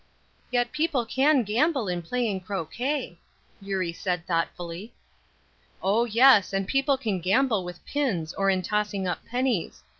"Yet people can gamble in playing croquet," Eurie said, thoughtfully. "Oh, yes, and people can gamble with pins, or in tossing up pennies.